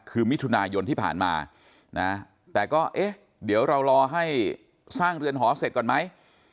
คือมิถุนายนที่ผ่านมานะแต่ก็เอ๊ะเดี๋ยวเรารอให้สร้างเรือนหอเสร็จก่อนไหม